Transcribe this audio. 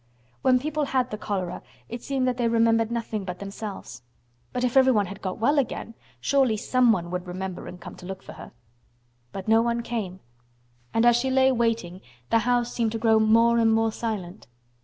When people had the cholera it seemed that they remembered nothing but themselves. But if everyone had got well again, surely someone would remember and come to look for her. But no one came, and as she lay waiting the house seemed to grow more and more silent.